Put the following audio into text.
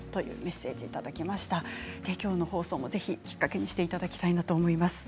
きょうの放送をぜひきっかけにしていただきたいなと思います。